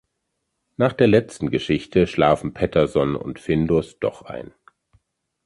Nach der letzten Geschichte schlafen Pettersson und Findus doch ein.